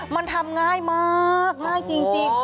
มันทำง่ายมากง่ายจริง